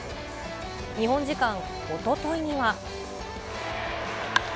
日本時間おとといには。